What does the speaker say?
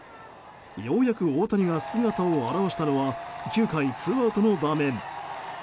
ようやく大谷が姿を現したのは９回ツーアウトの場面。